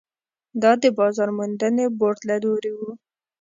دا د بازار موندنې بورډ له لوري وو.